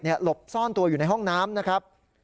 หลบซ่อนตัวอยู่ในห้องน้ำนะครับ